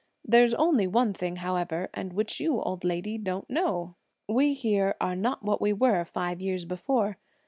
There's only one thing, however, and which you, old lady, don't know. We here are not what we were five years before.